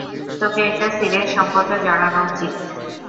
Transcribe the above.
তোকে একটা সিরিয়াস সম্পর্কে জরানো উচিত।